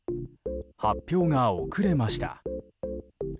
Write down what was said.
発表が遅れました。